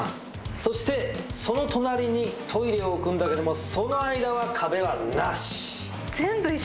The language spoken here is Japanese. そしてその隣にトイレを置くんだけどもその間は壁はなし。